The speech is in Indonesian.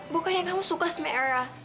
bukannya kamu suka sama era